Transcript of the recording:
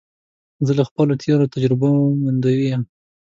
زه له خپلو تېرو تجربو منندوی یم.